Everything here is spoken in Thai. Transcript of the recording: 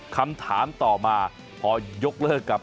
คำถามต่อมาพอยกเลิกกับ